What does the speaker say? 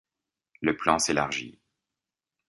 Le plan s’élargit.